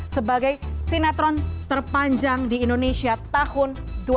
sebagai sinetron terpanjang di indonesia tahun dua ribu